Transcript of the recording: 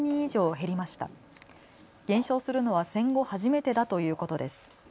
減少するのは戦後、初めてだということです。